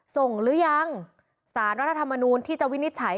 หรือยังสารรัฐธรรมนูลที่จะวินิจฉัย